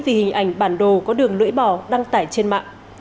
vì hình ảnh bản đồ có đường lưỡi bỏ đăng tải trên mạng